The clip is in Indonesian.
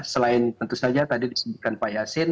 selain tentu saja tadi disebutkan pak yasin